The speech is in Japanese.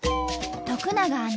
徳永アナ